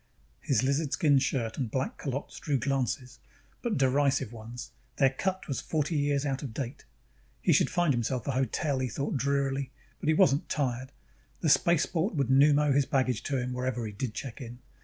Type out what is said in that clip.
His lizardskin shirt and black culottes drew glances, but derisive ones: their cut was forty years out of date. He should find himself a hotel, he thought drearily, but he wasn't tired; the spaceport would pneumo his baggage to him whenever he did check in.